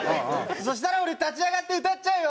そしたら俺立ち上がって歌っちゃうよ。